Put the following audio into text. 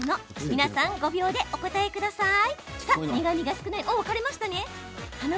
皆さん、５秒でお答えください。